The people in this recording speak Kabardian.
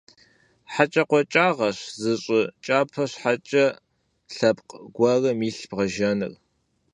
ХьэкӀэкхъуэкӀагъэщ зы щӀы кӀапэ щхьэкӀэ лъэпкъ гуэрым илъ бгъэжэныр.